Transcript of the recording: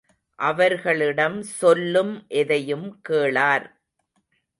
அவர்களிடம் சொல்லும் எதையும் கேளார்.